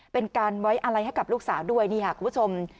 เป็นการไว้อาลัยให้กับลูกสาวด้วยคุณผู้ชม